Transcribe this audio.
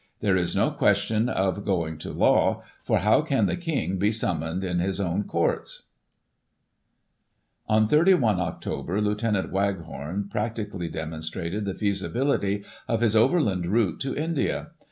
There is no question of going to law, for how can the King be summoned in his own Courts 1 " On 31 Oct. Lieut. Waghorn practically demonstrated the feasibility of his " Overland Route " to India.